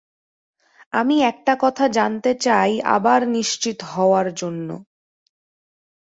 আমি একটা কথা জানতে চাই, আবার নিশ্চিত হওয়ার জন্য।